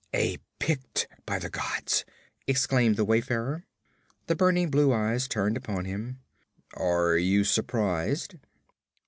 'A Pict, by the gods!' exclaimed the wayfarer. The burning blue eyes turned upon him. 'Are you surprised?'